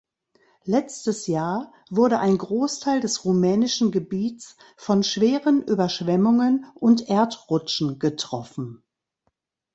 Letztes Jahr wurde ein Großteil des rumänischen Gebiets von schweren Überschwemmungen und Erdrutschen getroffen.